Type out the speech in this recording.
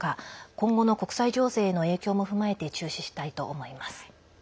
今後の国際情勢への影響も踏まえて注視したいと思います。